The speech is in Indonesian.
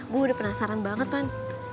gue udah penasaran banget kan